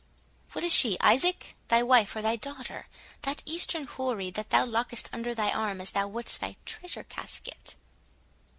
—What is she, Isaac? Thy wife or thy daughter, that Eastern houri that thou lockest under thy arm as thou wouldst thy treasure casket?"